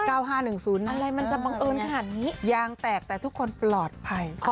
๙๕๑๐อะไรมันตำแปลงเงินขนาดนี้ยางแตกแต่ทุกคนปลอดภัย